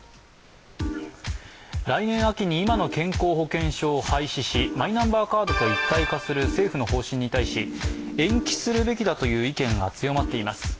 来年秋に今の健康保険証を廃止しマイナンバーカードと一体化する政府の方針に対し延期するべきだという意見が強まっています。